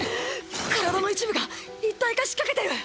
体の一部が一体化しかけてる！